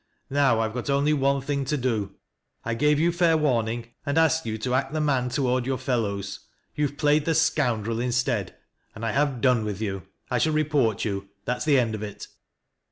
Now I've got only one thing to do. I gave you ixi warning and asked you to act the man toward 106 THAT LASS O LQ WRISTS. your fellows. You have played the scoundrel instead, and I have done with you. I shall report you. That'i the end of it."